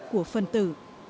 của phân tử